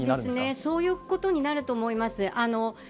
そういうことになると思います。